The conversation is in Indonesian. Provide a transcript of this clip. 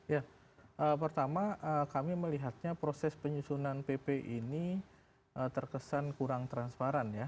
ya pertama kami melihatnya proses penyusunan pp ini terkesan kurang transparan ya